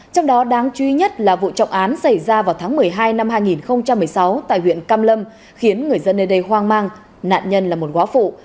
trong đó đáng chú ý nhất là vụ trọng án xảy ra vào tháng một mươi hai năm hai nghìn một mươi sáu tại huyện cam lâm khiến người dân nơi đây hoang mang nạn nhân là một quá phụ